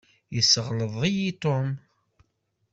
Yesseɣleḍ-iyi Tom.